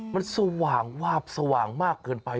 มันสว่างวาบสว่างมากเกินไป